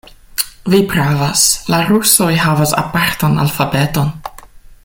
Vi pravas; la rusoj havas apartan alfabeton.